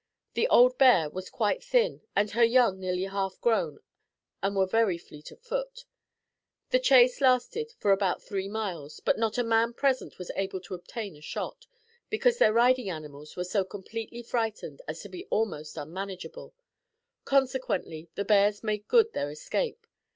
The old bear was quite thin and her young nearly half grown and were very fleet of foot. The chase lasted for about three miles, but not a man present was able to obtain a shot, because their riding animals were so completely frightened as to be almost unmanageable; consequently, the bears made good their escape.